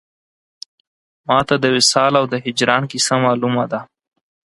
ما ته د وصال او د هجران کیسه مالومه ده